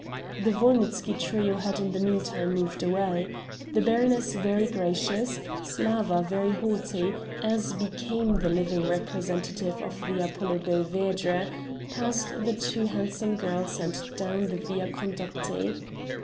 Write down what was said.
The Wolnitzky trio had in the meantime moved away. The baroness very gracious, Slawa very haughty, as became the living representative of the Apollo Belvedere past the two handsome girls and down the Via Condotti.